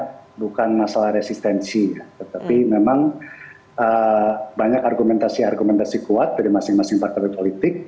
saya rasa apa namanya bukan masalah resistensi tetapi memang banyak argumentasi argumentasi kuat dari masing masing partai politik